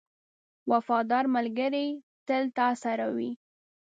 • وفادار ملګری تل تا سره وي.